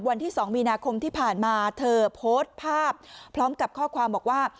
วันที่๒มีนาคมที่ผ่านมาเธอโพสต์ภาพพร้อมกับข้อความบอกว่า